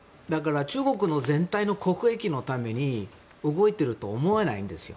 中国の全体の国益のために動いていると思えないんですよ。